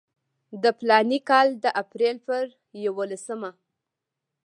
د فلاني کال د اپریل پر یوولسمه.